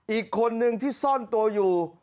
อีกคนนึงที่ซ่อนตัวอยู่